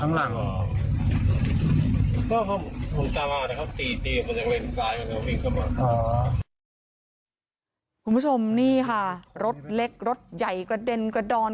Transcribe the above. คุณผู้ชมนี่ค่ะรถเล็กรถใหญ่กระเด็นกระดอน